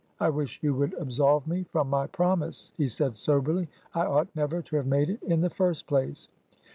" I wish you would absolve me from my promise,'' he said soberly. '' I ought never to have made it, in the first place."